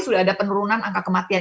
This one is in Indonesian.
sudah ada penurunan angka kematian